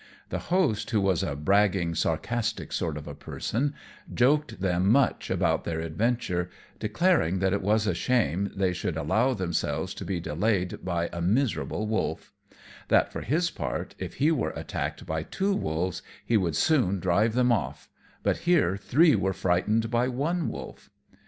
The host, who was a bragging sarcastic sort of a person, joked them much about their adventure, declaring that it was a shame they should allow themselves to be delayed by a miserable wolf; that, for his part, if he were attacked by two wolves, he would soon drive them off, but here three were frightened by one wolf.